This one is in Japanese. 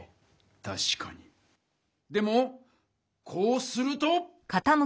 たしかにでもこうすると。